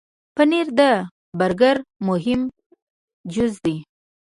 پنېر د برګر مهم جز دی.